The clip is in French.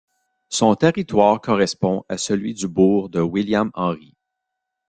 Son territoire correspond à celui du bourg de William-Henry.